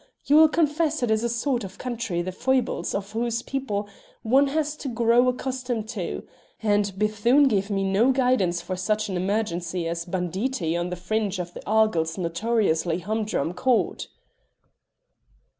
You will confess it is a sort of country the foibles of whose people one has to grow accustomed to, and Bethune gave me no guidance for such an emergency as banditti on the fringe of Argyll's notoriously humdrum Court."